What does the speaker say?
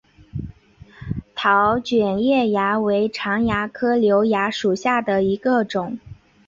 桃卷叶蚜为常蚜科瘤蚜属下的一个种。